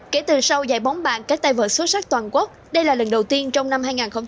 kể từ sau giải bóng bàn các tay vợ xuất sắc toàn quốc đây là lần đầu tiên trong năm hai nghìn hai mươi